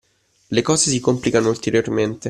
Le cose si complicano ulteriormente